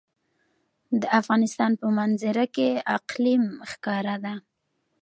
د افغانستان په منظره کې اقلیم ښکاره ده.